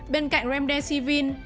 bên cạnh remdesivir